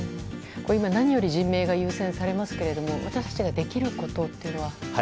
今何より人命が優先されますが私たちができることとは。